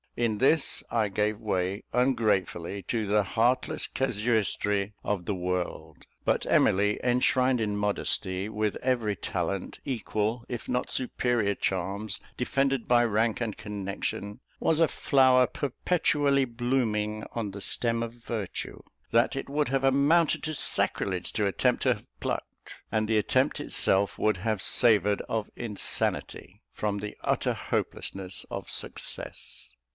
In this I gave way, ungratefully, to the heartless casuistry of the world. But Emily, enshrined in modesty, with every talent, equal, if not superior charms, defended by rank and connection, was a flower perpetually blooming on the stem of virtue, that it would have amounted to sacrilege to attempt to have plucked; and the attempt itself would have savoured of insanity, from the utter hopelessness of success.